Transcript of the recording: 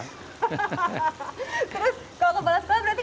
terus kalau kepala sekolah berarti